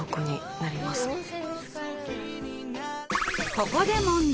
ここで問題。